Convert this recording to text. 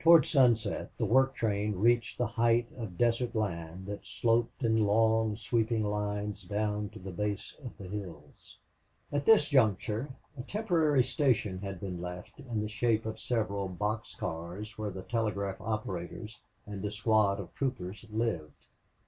Toward sunset the work train reached the height of desert land that sloped in long sweeping lines down to the base of the hills. At this juncture a temporary station had been left in the shape of several box cars where the telegraph operators and a squad of troopers lived.